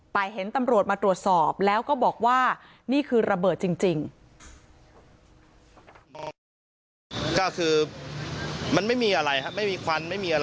แต่เห็นตำรวจมาตรวจสอบแล้วก็บอกว่านี่คือระเบิดจริง